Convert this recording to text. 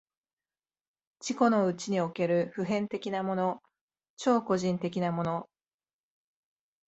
自己のうちにおける普遍的なもの、超個人的なもの、